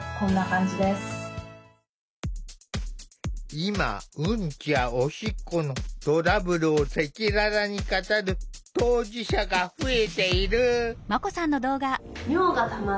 今ウンチやオシッコのトラブルを赤裸々に語る当事者が増えている。